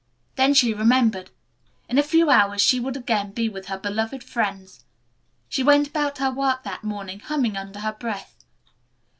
Then she remembered. In a few hours she would again be with her beloved friends. She went about her work that morning humming under her breath.